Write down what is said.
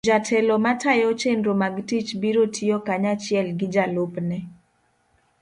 jatelo matayo chenro mag tich biro tiyo kanyachiel gi jalupne.